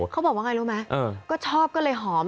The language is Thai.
เขาบอกว่าไงรู้ไหมก็ชอบก็เลยหอม